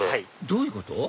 どういうこと？